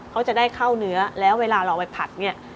เขาจะได้เข้าเนื้อแล้วเวลาเราไปผัดเนี่ย